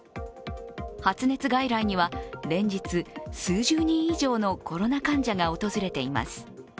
発熱外来には連日、数十人以上のコロナ患者が訪れています。